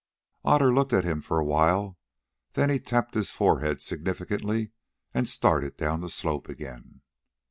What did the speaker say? Otter looked at him for a while, then he tapped his forehead significantly and started down the slope again.